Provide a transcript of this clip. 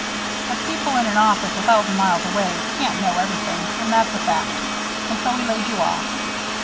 But people in an office a thousand miles away can't know everything, and that's a fact. And so he laid you off."